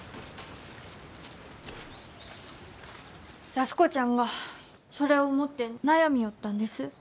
安子ちゃんがそれを持って悩みょうったんです。